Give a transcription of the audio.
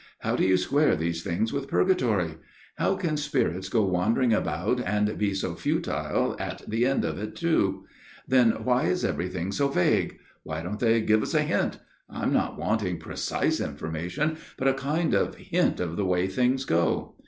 How do you square these things with purgatory ? How can spirits go wandering about, and be so futile at the end of it too ? Then why is everything so vague ? Why don't they give us a hint I'm not wanting precise information but a kind of hint of the way things go